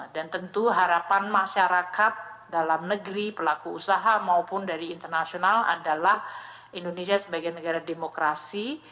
dan tentu harapan masyarakat dalam negeri pelaku usaha maupun dari internasional adalah indonesia sebagai negara demokrasi